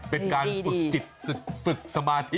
เป็นการฝึกจิตฝึกสมาธิ